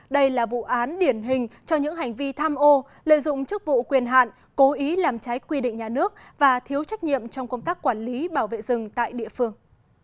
đây là vụ án điển hình cho những hành vi tham ô lợi dụng chức vụ quyền hạn cố ý làm trái quy định nhà nước và thiếu trách nhiệm trong công tác quản lý bảo vệ rừng tại địa phương